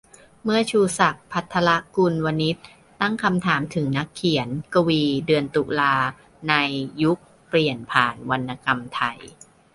เมื่อ "ชูศักดิ์ ภัทรกุลวณิชย์" ตั้งคำถามถึงนักเขียน-กวี "เดือนตุลา" ใน "ยุคเปลี่ยนผ่านวรรณกรรมไทย"